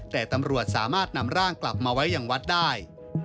แต่ตำรวจสามารถนำร่างกลับมาไว้อย่างวัดได้